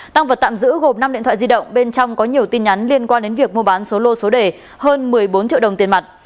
tăng vật tạm giữ gồm năm điện thoại di động bên trong có nhiều tin nhắn liên quan đến việc mua bán số lô số đề hơn một mươi bốn triệu đồng tiền mặt